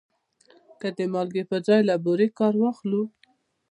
که د مالګې پر ځای له بورې کار واخلو؟